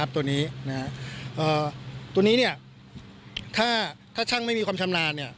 ตัวนี้เนี่ยถ้าชั่งไม่มีความชำนาญเนี่ย